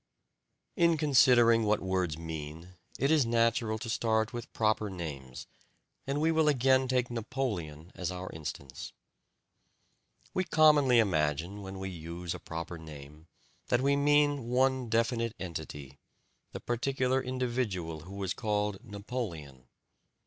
In considering what words mean, it is natural to start with proper names, and we will again take "Napoleon" as our instance. We commonly imagine, when we use a proper name, that we mean one definite entity, the particular individual who was called "Napoleon."